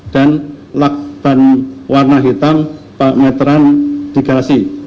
dan lakban warna hitam meteran di galasi